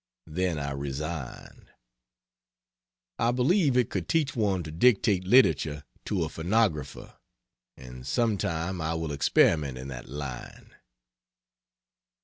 Then I resigned. I believe it could teach one to dictate literature to a phonographer and some time I will experiment in that line.